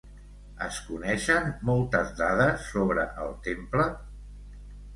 Es coneixen moltes dades sobre el temple?